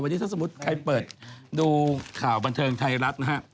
วันนี้ถ้าสมมุติใครเปิดดูข่าวบันเทิงไทยรัฐนะฮะ